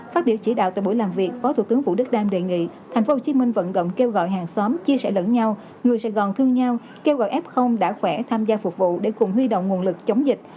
phát biểu chỉ đạo tại buổi làm việc phó thủ tướng vũ đức đam đề nghị tp hcm vận động kêu gọi hàng xóm chia sẻ lẫn nhau người sài gòn thương nhau kêu gọi f đã khỏe tham gia phục vụ để cùng huy động nguồn lực chống dịch